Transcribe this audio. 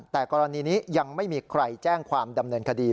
แต่กรณีนี้ยังไม่มีใครแจ้งความดำเนินคดี